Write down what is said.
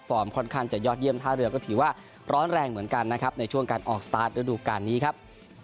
ค่อนข้างจะยอดเยี่ยมท่าเรือก็ถือว่าร้อนแรงเหมือนกันนะครับในช่วงการออกสตาร์ทฤดูการนี้ครับ